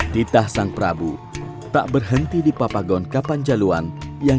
ditah sang prabu tak berhenti di papagon kapanjaluan